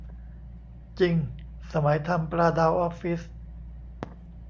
จริง สมัยทำปลาดาวออฟฟิศ